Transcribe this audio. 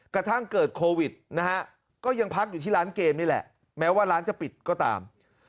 กระทั่งเกิดโควิดนะฮะก็ยังพักอยู่ที่ร้านเกมนี่แหละแม้ว่าร้านจะปิดก็ตาม